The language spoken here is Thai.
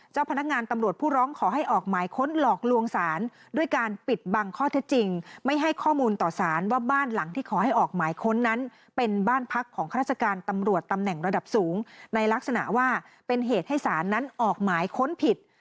เจ้าพนักงานตำรวจผู้ร้องขอให้ออกหมายค้นหลอกลวงศาลด้วยการปิดบังข้อเท็จจริงไม่ให้ข้อมูลต่อสารว่าบ้านหลังที่ขอให้ออกหมายค้นนั้นเป็นบ้านพักของข้าราชการตำรวจตำแหน่งระดับสูงในลักษณะว่าเป็นเหตุให้ศาลนั้นออกหมายค้นผิด